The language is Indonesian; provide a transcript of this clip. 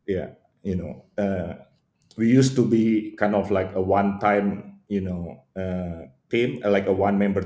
ya kita dulu seperti satu tim seperti satu tim member